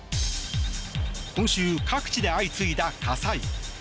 今週、各地で相次いだ火災。